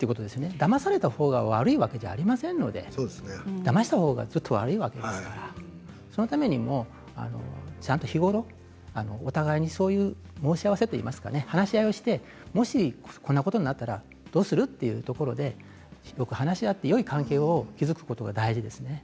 だまされたほうが悪いわけではありませんのでだましたほうが悪いわけですからそのために、日頃からお互いに申し合わせていますかね話し合いをしてもしこのことになったらどうすると、よく話し合っていい関係を築くことが大事ですね。